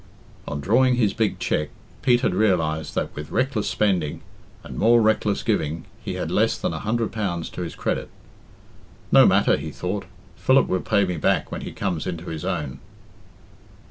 On drawing his big cheque, Pete had realised that, with reckless spending, and more reckless giving, he had less than a hundred pounds to his credit. "No matter," he thought; "Philip will pay me back when he comes in to his own."